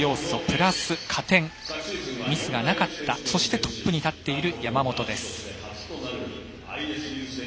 プラス加点ミスがなかったそしてトップに立っている山本。